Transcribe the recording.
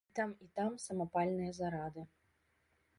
І там і там самапальныя зарады.